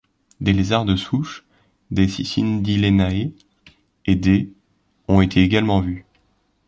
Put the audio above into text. Des lézards de souche, des cicindelinae et des ont également été vues.